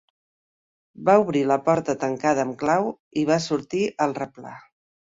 Va obrir la porta tancada amb clau i va sortir al replà